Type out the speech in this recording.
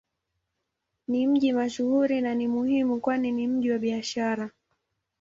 Ni mji mashuhuri na ni muhimu kwani ni mji wa Kibiashara.